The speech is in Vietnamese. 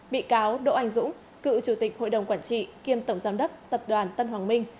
bị cáo đỗ anh dũng cựu chủ tịch hội đồng quản trị kiêm tổng giám đốc tập đoàn tân hoàng minh